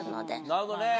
なるほどね。